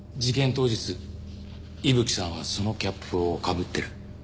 当日伊吹さんはそのキャップをかぶってる。